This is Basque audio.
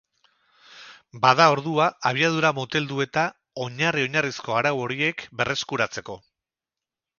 Bada ordua, abiadura moteldu eta, oinarri-oinarrizko arau horiek berreskuratzeko.